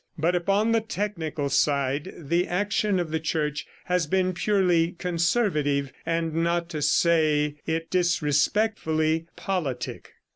But upon the technical side the action of the Church has been purely conservative and, not to say it disrespectfully, politic.